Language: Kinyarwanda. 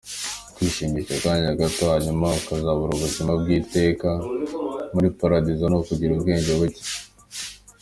Kwishimisha akanya gato hanyuma ukazabura ubuzima bw’iteka muli paradizo, ni ukugira ubwenge buke.